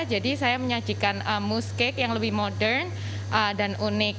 jadi saya menyajikan mouse cake yang lebih modern dan unik